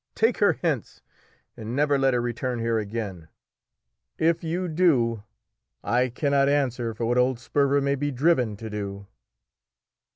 take her hence, and never let her return here again; if you do I cannot answer for what old Sperver may be driven to do!"